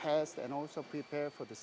mencoba dan juga mempersiapkan